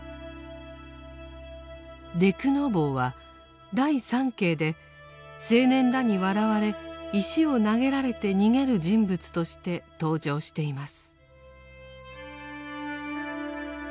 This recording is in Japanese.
「土偶坊」は第三景で青年らに笑われ石を投げられて逃げる人物として登場しています。